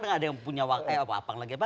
dan nggak ada yang punya wapang lagi apa